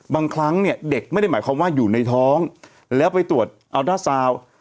บางครั้งเนี่ยเด็กไม่ได้หมายความว่าอยู่ในท้องแล้วไปตรวจอัลด้าซาวน์